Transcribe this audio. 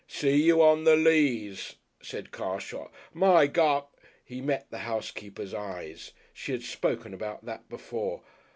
"See you on the Leas," said Carshot. "My gu !" He met the housekeeper's eye. She had spoken about that before.